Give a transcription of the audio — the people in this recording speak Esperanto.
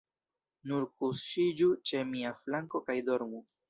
Nur kuŝiĝu ĉe mia flanko kaj dormu.